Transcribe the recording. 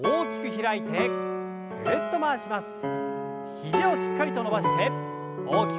肘をしっかりと伸ばして大きく。